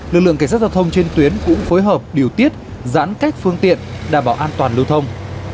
lực lượng cảnh sát giao thông trên tuyến cũng phối hợp điều tiết giãn cách phương tiện đảm bảo an toàn lưu thông